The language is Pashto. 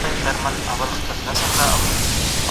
که میندې کډه وکړي نو ژوند به نه وي تنګ.